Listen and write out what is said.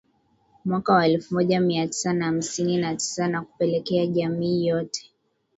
mwaka wa elfu moja Mia Tisa na hamsini na tisa na kupelekea jamii yote